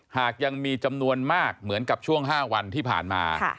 หากยังมีจำนวนมากเหมือนกับช่วง๕วันที่ผ่านมา